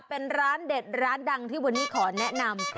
เป็นร้านเด็ดร้านดังที่วันนี้ขอแนะนำ